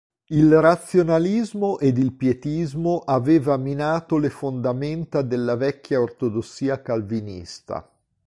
Il razionalismo ed il pietismo aveva minato le fondamenta della vecchia ortodossia calvinista.